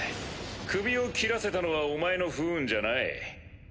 首を斬らせたのはお前の不運じゃない。